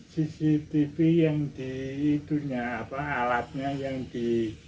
cctv yang di dunia alatnya yang di